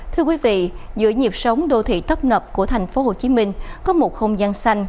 thưa quý vị giữa nhịp sống đô thị tấp nập của tp hcm có một không gian xanh